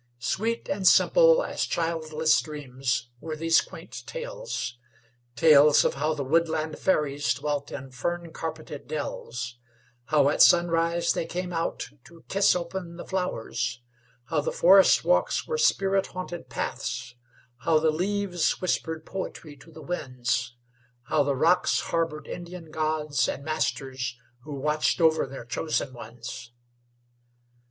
Sweet and simple as childless dreams were these quaint tales tales of how the woodland fairies dwelt in fern carpeted dells; how at sunrise they came out to kiss open the flowers; how the forest walks were spirit haunted paths; how the leaves whispered poetry to the winds; how the rocks harbored Indian gods and masters who watched over their chosen ones.